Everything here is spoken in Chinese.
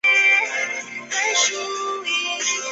热机分为内燃机和外燃机两种。